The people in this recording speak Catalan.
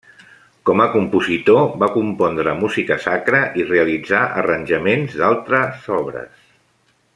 Com a compositor va compondre música sacra i realitzà arranjaments d'altre obres.